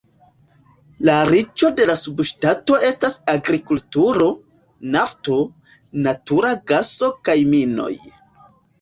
La riĉo de la subŝtato estas agrikulturo, nafto, natura gaso kaj minoj.